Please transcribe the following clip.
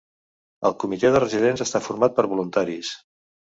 El comitè de residents està format per voluntaris.